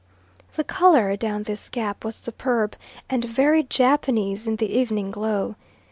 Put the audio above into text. The colour down this gap was superb, and very Japanese in the evening glow.